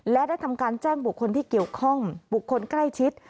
และได้แจ้งบวกคนที่เกี่ยวข้อมบวกคนใกล้ชิด